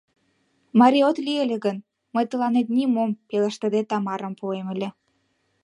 Марий от лий ыле гын, мый тыланет нимом пелештыде Тамарам пуэм ыле.